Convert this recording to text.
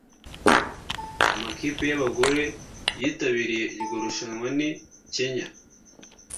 Amakipe y’abagore yitabiriye iryo rushanwa ni Kenya